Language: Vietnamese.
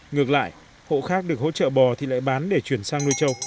ngược lại hộ khác được hỗ trợ bò thì lại bán để chuyển sang nuôi trâu